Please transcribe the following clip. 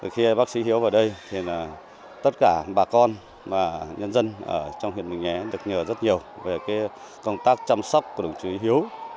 khi bác sĩ hiếu vào đây thì tất cả bà con và nhân dân ở trong huyện mường nhé được nhờ rất nhiều về công tác chăm sóc của đồng chí hiếu